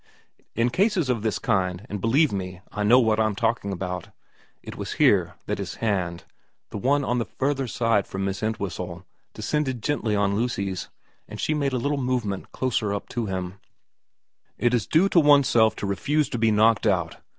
In cases of this kind, and believe me I know what I'm talking about ' it was here that his hand, the one on the further side from Miss Entwhistle, descended gently on Lucy's, and she made a little movement closer up to him ' it is due to oneself to refuse to be knocked out.